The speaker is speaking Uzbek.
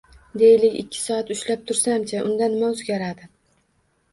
Deylik, ikki soat ushlab tursam-chi, unda nima oʻzgaradi